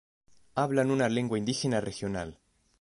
Hablan una lengua indígena regional.